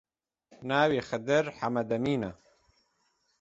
ناوی خدر حەمەدەمینە